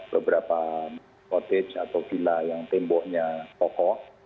beberapa cottage atau villa yang temboknya toko